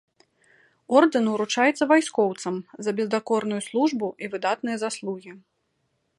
Ордэн уручаецца вайскоўцам за бездакорную службу і выдатныя заслугі.